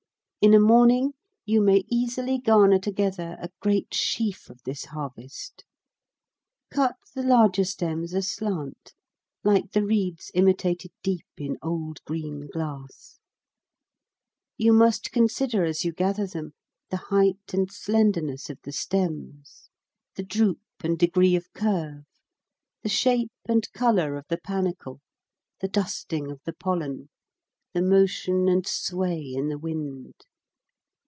In a morning you may easily garner together a great sheaf of this harvest. Cut the larger stems aslant, like the reeds imitated deep in old green glass. You must consider as you gather them the height and slenderness of the stems, the droop and degree of curve, the shape and colour of the panicle, the dusting of the pollen, the motion and sway in the wind.